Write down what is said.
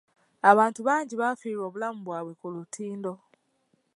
Abantu bangi baafiirwa obulamu bwabwe ku lutindo.